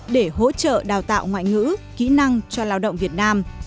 để hỗ trợ đào tạo ngoại ngữ kỹ năng cho lao động việt nam